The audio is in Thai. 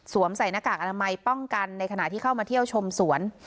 ใส่หน้ากากอนามัยป้องกันในขณะที่เข้ามาเที่ยวชมสวน